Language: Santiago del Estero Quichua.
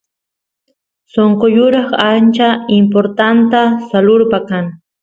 sonqo yuraq ancha importanta salurpa kan